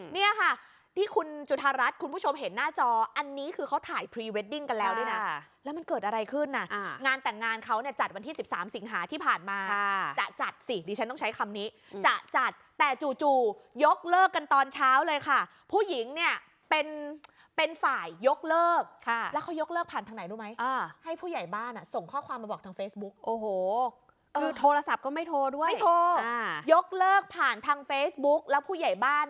เนี้ยค่ะที่คุณจุธรัสคุณผู้ชมเห็นหน้าจออันนี้คือเขาถ่ายพรีเวดดิ้งกันแล้วดินะแล้วมันเกิดอะไรขึ้นน่ะอ่างานแต่งงานเขาเนี้ยจัดวันที่สิบสามสิงหาที่ผ่านมาค่ะจะจัดสิดีฉันต้องใช้คำนี้จะจัดแต่จู่จู่ยกเลิกกันตอนเช้าเลยค่ะผู้หญิงเนี้ยเป็นเป็นฝ่ายยกเลิกค่ะแล้วเขายกเลิกผ่านทางไหนรู้ไหมอ